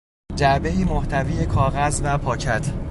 جعبه ای محتوی کاغذ و پاکت